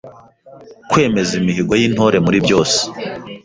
Kwemeza imihigo y’Intore muri byose